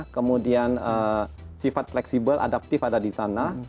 kemudian sifat fleksibel adaptif ada di sana